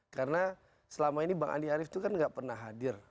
karena selama ini bang andi arief itu kan gak pernah hadir